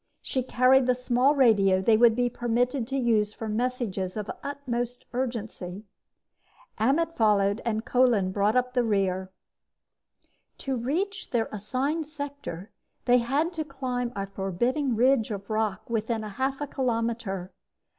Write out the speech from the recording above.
She carried the small radio they would be permitted to use for messages of utmost urgency. Ammet followed, and Kolin brought up the rear. To reach their assigned sector, they had to climb a forbidding ridge of rock within half a kilometer.